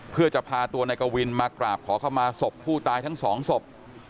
เพื่อจะพาตัวนายกวินมากราบขอเข้ามาศพผู้ตายทั้งสองศพ